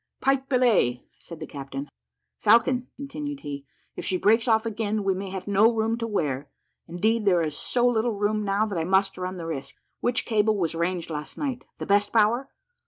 "Pipe belay," said the captain. "Falcon," continued he, "if she breaks off again we may have no room to wear; indeed there is so little room now, that I must run the risk. Which cable was ranged last night the best bower?"